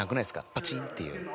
パチンっていう。